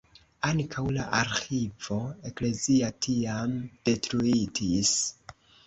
Ankaŭ la arĥivo eklezia tiam detruitis.